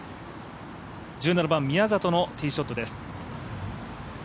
１７番、宮里のティーショットです。